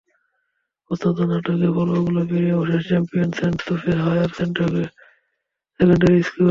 প্রশ্নোত্তরের নাটকীয় পর্বগুলো পেরিয়ে অবশেষে champion Saint Joseph Higher Secondary school.